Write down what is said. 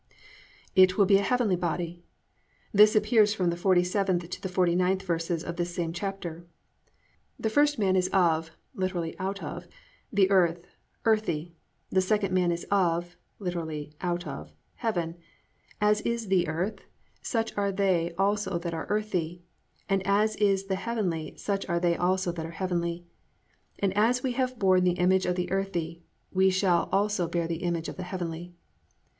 8. It will be a heavenly body. This appears from the 47th to the 49th verses of this same chapter. +"The first man is of+ (literally, out of) +the earth, earthy: the second man is of+ (literally, out of) +heaven: as is the earth, such are they also that are earthy: and as is the heavenly such are they also that are heavenly. And as we have borne the image of the earthy, we shall also bear the image of the heavenly."